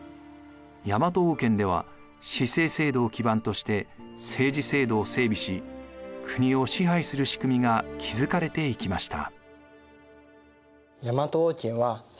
大和王権では氏姓制度を基盤として政治制度を整備し国を支配する仕組みが築かれていきました。